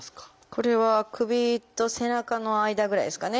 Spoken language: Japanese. これは首と背中の間ぐらいですかね。